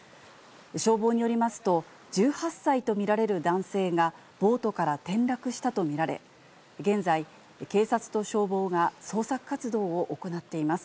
消防によりますと、１８歳と見られる男性がボートから転落したと見られ、現在、警察と消防が捜索活動を行っています。